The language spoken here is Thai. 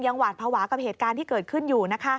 หวาดภาวะกับเหตุการณ์ที่เกิดขึ้นอยู่